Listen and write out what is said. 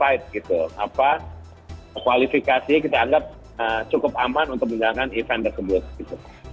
kualifikasi kita anggap cukup aman untuk menjalankan event tersebut gitu